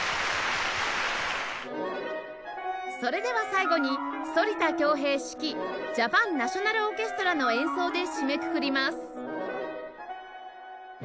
それでは最後に反田恭平指揮ジャパン・ナショナル・オーケストラの演奏で締めくくります